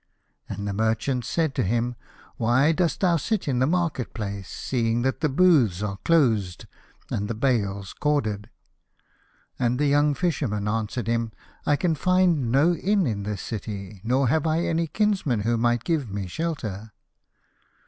And the merchant said to him, " Why dost thou sit in the market place, seeing that the booths are closed and the bales corded ?" And the young Fisherman answered him, " I can find no inn in this city, nor have I any kinsman who might give me shelter."